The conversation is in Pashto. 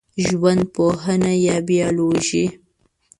ژوندپوهه یا بېولوژي